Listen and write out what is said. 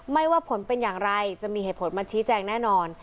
ว่าผลเป็นอย่างไรจะมีเหตุผลมาชี้แจงแน่นอน